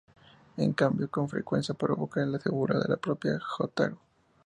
En cambio, con frecuencia provoca y se burla de la propia Hotaru.